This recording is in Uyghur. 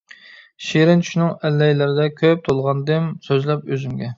شېرىن چۈشنىڭ ئەللەيلىرىدە، كۆپ تولغاندىم سۆزلەپ ئۆزۈمگە.